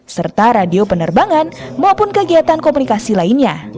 serta radio penerbangan maupun kegiatan komunikasi lainnya